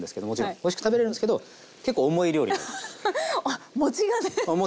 おいしく食べれるんですけど結構重い料理なんです。